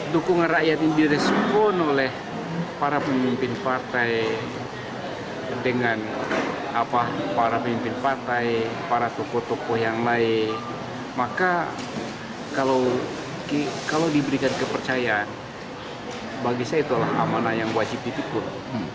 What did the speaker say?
saya itulah amanat yang wajib ditikun